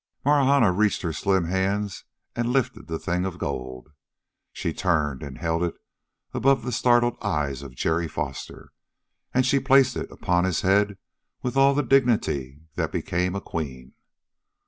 Marahna reached her slim hands and lifted the thing of gold. She turned, and held it above the startled eyes of Jerry Foster, and she placed it upon his head with all the dignity that became a queen.